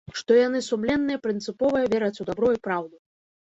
Што яны сумленныя, прынцыповыя, вераць у дабро і праўду.